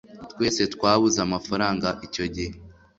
twese twabuze amafaranga icyo gihe